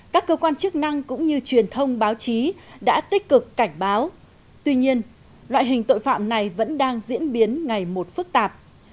các cơ quan chức năng cũng như truyền thông báo chí đã tích cực cảnh báo tuy nhiên loại hình tội phạm này vẫn đang diễn biến ngày một phức tạp